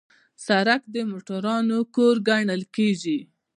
سړک د موټرونو کور ګڼل کېږي.